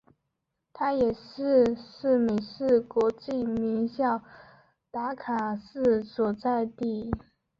它也是是美式国际名校达卡市所在地。